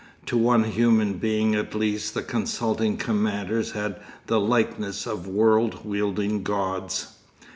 To one human being at least the consulting commanders had the likeness of world wielding gods.